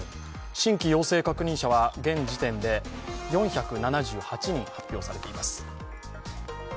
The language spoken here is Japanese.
新規陽性確認者は現時点で４７８人発表されています。